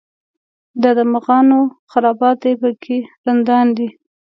دا د مغانو خرابات دی په کې رندان دي.